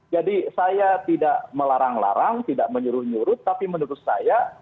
jadi saya tidak melarang larang tidak menyuruh nyurut tapi menurut saya